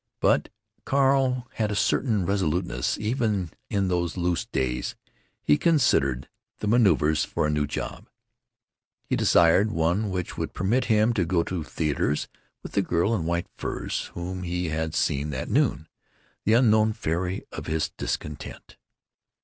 But Carl had a certain resoluteness even in these loose days. He considered the manœuvers for a new job. He desired one which would permit him to go to theaters with the girl in white furs whom he had seen that noon—the unknown fairy of his discontent.